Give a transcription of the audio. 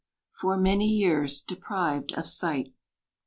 FOR MANY YEARS DEPRIVED OF SIGHT.